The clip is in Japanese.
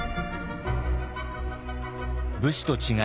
武士と違い